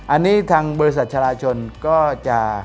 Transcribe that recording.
อันนี้ทางบริษัทชาลาชนก็จะ